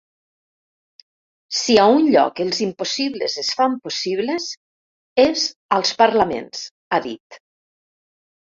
Si a un lloc els impossibles es fan possibles, és als parlaments, ha dit.